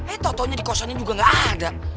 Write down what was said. eh tau taunya di kosannya juga gak ada